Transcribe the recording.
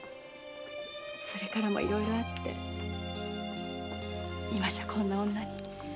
それからもいろいろあって今じゃこんな女に。